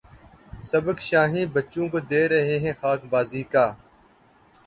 سبق شاہیں بچوں کو دے رہے ہیں خاک بازی کا